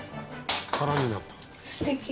「空になった」